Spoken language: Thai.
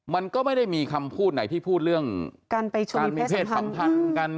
มันก็ไม่ได้มีคำพูดไหนที่พูดเรื่องการมีเพศสัมพันธ์กัน